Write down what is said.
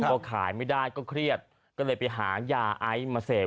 พอขายไม่ได้ก็เครียดก็เลยไปหายาไอซ์มาเสพ